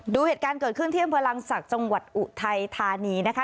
ดูเหตุการณ์เกิดขึ้นที่อำเภอลังศักดิ์จังหวัดอุทัยธานีนะคะ